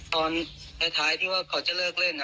ตอนท้ายที่ว่าเขาจะเลิกเล่น